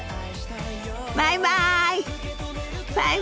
バイバイ！